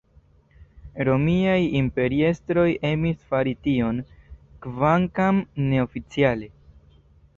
Romiaj imperiestroj emis fari tion, kvankam neoficiale.